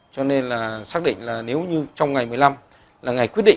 cho nên là xác định là nếu như trong ngày một mươi năm là ngày quyết định